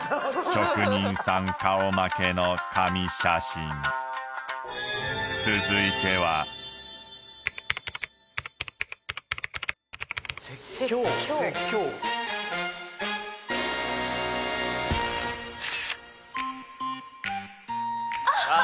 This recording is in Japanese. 職人さん顔負けの神写真続いてはああ